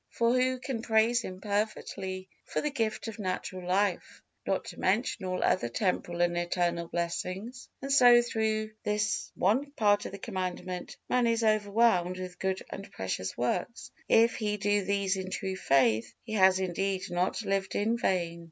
For who can praise Him perfectly for the gift of natural life, not to mention all other temporal and eternal blessings? And so through this one part of the Commandment man is overwhelmed with good and precious works; if he do these in true faith, he has indeed not lived in vain.